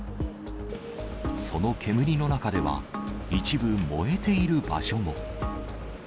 その煙の中では、一部燃えている場所も。